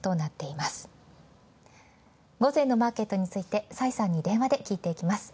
午前のマーケットについて崔さんに電話で聞いていきます。